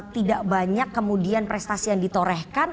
tidak banyak kemudian prestasi yang ditorehkan